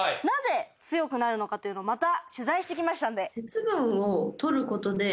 なぜ強くなるのかというのをまた取材してきましたので。